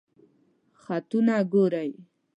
خطونه ګوری؟